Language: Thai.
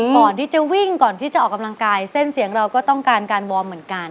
ก่อนที่จะวิ่งก่อนที่จะออกกำลังกายเส้นเสียงเราก็ต้องการการวอร์มเหมือนกัน